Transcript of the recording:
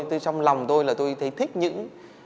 trong lòng tôi là tôi thấy thích những